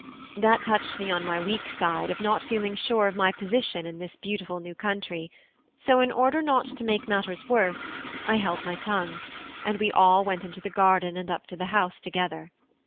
That touched me on my weak side of not feeling sure of my position in this beautiful new country; so in order not to make matters worse, I held my tongue, and we all went into the garden and up to the house together.